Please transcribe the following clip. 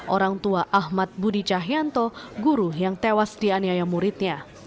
orang tua ahmad budi cahyanto guru yang tewas dianiaya muridnya